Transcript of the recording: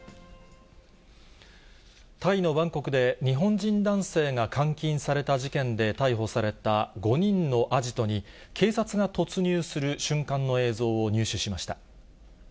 タイのバンコクで、日本人男性が監禁された事件で逮捕された５人のアジトに、警察が突入する瞬間の映像を入手しました。